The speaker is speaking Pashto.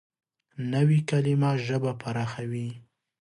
نوې کلیمه ژبه پراخوي